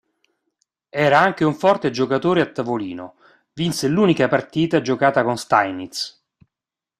Era anche un forte giocatore a tavolino, vinse l'unica partita giocata con Steinitz.